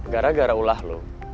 gara gara bunda lo